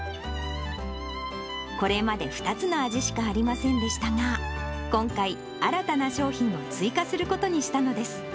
これまで２つの味しかありませんでしたが、今回、新たな商品を追加することにしたのです。